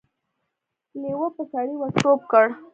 لېوه په سړي ور ټوپ کړ.